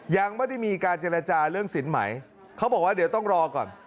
ยังไม่ได้มีการเจรจาเรื่องสินไหมเขาบอกว่าเดี๋ยวต้องรอก่อน